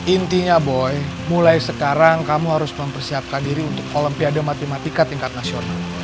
intinya boy mulai sekarang kamu harus mempersiapkan diri untuk olimpiade matematika tingkat nasional